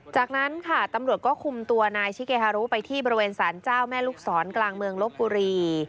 จากนั้นค่ะตำรวจก็คุมตัวนายชิเกฮารุไปที่บริเวณสารเจ้าแม่ลูกศรกลางเมืองลบบุรี